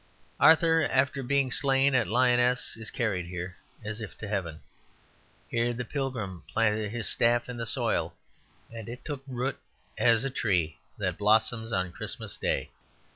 Arthur, after being slain at Lyonesse, is carried here, as if to heaven. Here the pilgrim planted his staff in the soil; and it took root as a tree that blossoms on Christmas Day.